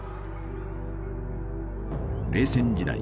冷戦時代